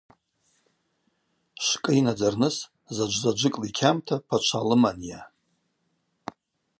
Швкӏы йнадзарныс заджвзаджвыкӏла йкьамта пачва лыманийа.